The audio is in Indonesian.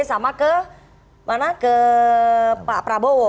sama ke mana ke pak prabowo